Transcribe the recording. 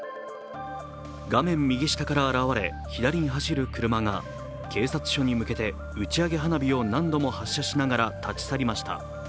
画面右下から現れ左に走る車が警察署に向けて打ち上げ花火を何度も発射しながら立ち去りました。